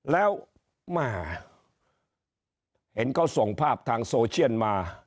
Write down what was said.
แล้วแม่เห็นเขาส่งภาพทางโซเชียลมา